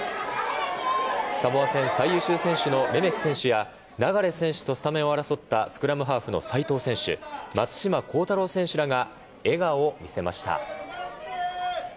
サモア戦最優秀選手のレメキ選手や流選手とスタメンを争ったスクラムハーフの齋藤選手松島幸太朗選手らが笑顔を見せました。